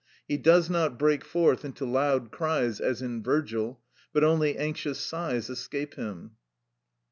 He does not break forth into loud cries, as in Virgil, but only anxious sighs escape him," &c.